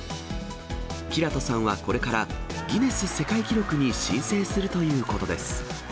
煌人さんはこれから、ギネス世界記録に申請するということです。